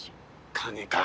金か。